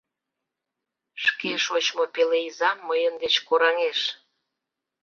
Шке шочмо пеле-изам мыйын деч кораҥеш!